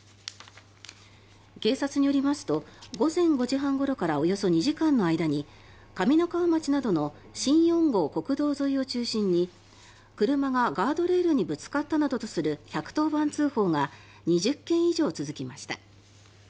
警察によりますと午前５時半ごろからおよそ２時間の間に上三川町などの新４号国道沿いを中心に車がガードレールにぶつかったなどとする１１０番通報が２０件以上続きました。